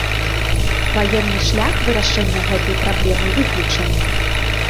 Ваенны шлях вырашэння гэтай праблемы выключаны.